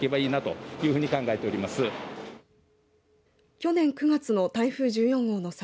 去年９月の台風１４号の際